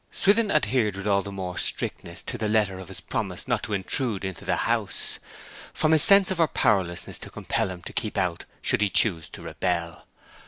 Swithin adhered with all the more strictness to the letter of his promise not to intrude into the house, from his sense of her powerlessness to compel him to keep out should he choose to rebel.